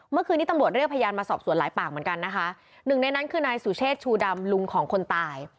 เมื่อคืนนี้ตำรวจเรียกพยานมาสอบสวนหลายปากเหมือนกันนะคะหนึ่งในนั้นคือนายสุเชษชูดำลุงของคนตาย